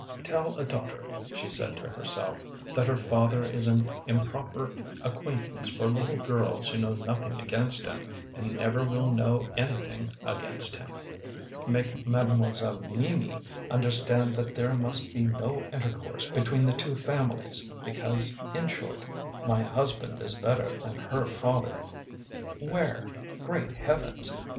Tell a daughter," she said to herself, " that her father is an improper acquaintance for little girls who know nothing against him and never will know anything against him! Make Mademoiselle Mimi understand that there must be no intercourse between the two families, because in short, my husband is better than her father; Where? Great heavens!